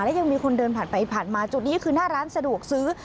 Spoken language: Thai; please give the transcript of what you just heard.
และยังมีคนเดินผ่านไปผ่านมาจุดนี้คือหน้าร้านสะดวกซื้อ